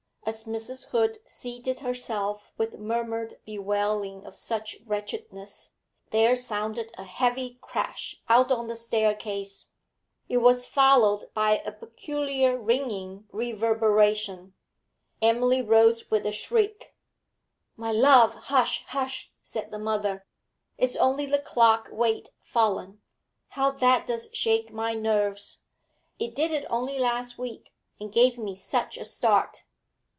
As Mrs. Hood seated herself with murmured bewailing of such wretchedness, there sounded a heavy crash out on the staircase; it was followed by a peculiar ringing reverberation. Emily rose with a shriek. 'My love hush! hush!' said her mother. 'It's only the clock weight fallen. How that does shake my nerves! It did it only last week, and gave me such a start.'